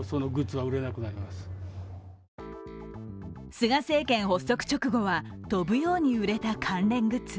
菅政権発足直後は飛ぶように売れた関連グッズ。